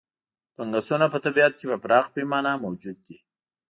فنګسونه په طبیعت کې په پراخه پیمانه موجود دي.